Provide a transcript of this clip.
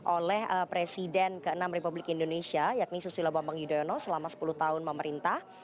oleh presiden ke enam republik indonesia yakni susilo bambang yudhoyono selama sepuluh tahun memerintah